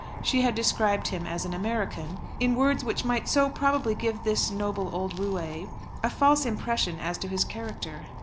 She had described him as an American in words which might so probably give this noble old roué a false impression as to his character.